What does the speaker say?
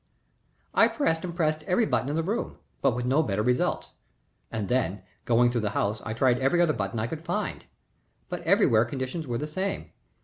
_ I pressed and pressed every button in the room, but with no better results; and then, going through the house I tried every other button I could find, but everywhere conditions were the same.